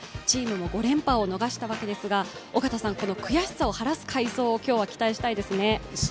チームも５連覇を逃したわけですがこの悔しさを晴らす快走を今日は期待したいですね。